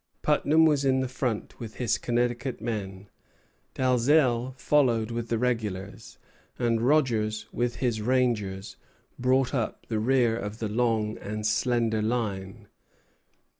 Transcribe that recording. Putnam was in the front with his Connecticut men; Dalzell followed with the regulars; and Rogers, with his rangers, brought up the rear of the long and slender line.